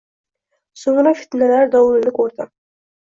So‘ngra fitnalar dovulini ko‘rdim.